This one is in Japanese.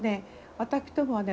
私どもはね